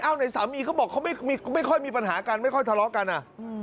ไหนสามีเขาบอกเขาไม่ค่อยมีปัญหากันไม่ค่อยทะเลาะกันอ่ะอืม